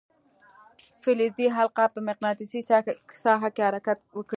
فلزي حلقه په مقناطیسي ساحه کې حرکت وکړي.